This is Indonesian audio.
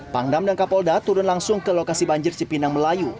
pangdam dan kapolda turun langsung ke lokasi banjir cipinang melayu